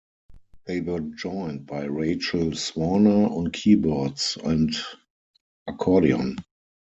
They were joined by Rachel Swaner on keyboards and accordion.